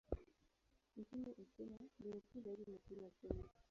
Nchini Uchina, mbinu kuu zaidi ni kunywa sumu.